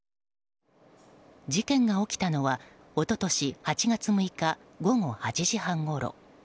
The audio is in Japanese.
事件が起きたのは一昨年８月６日午後８時半ごろ。